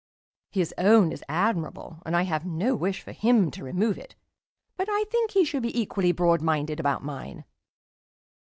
His own is admirable, and I have no wish for him to remove it, but I think he should be equally broad minded about mine.